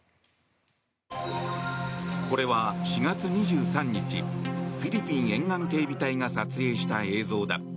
これは４月２３日フィリピン沿岸警備隊が撮影した映像だ。